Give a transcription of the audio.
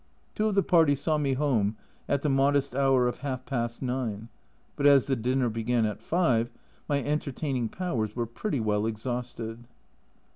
Two of the party saw me home at the modest hour of half past nine, but as the dinner began at five, my entertaining powers were pretty well exhausted.